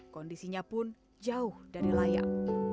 kondisinya pun jauh dari layak